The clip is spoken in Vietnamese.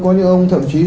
bệnh viện làm việc